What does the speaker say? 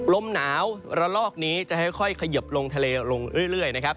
ลมหนาวระลอกนี้จะค่อยเขยิบลงทะเลลงเรื่อยนะครับ